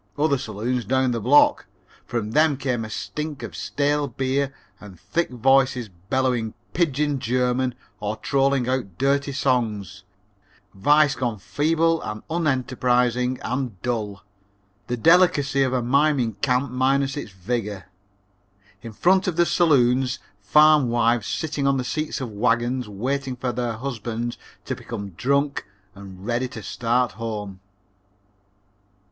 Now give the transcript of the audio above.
Other saloons down the block. From them a stink of stale beer, and thick voices bellowing pidgin German or trolling out dirty songs vice gone feeble and unenterprising and dull the delicacy of a mining camp minus its vigor. In front of the saloons, farm wives sitting on the seats of wagons, waiting for their husbands to become drunk and ready to start home."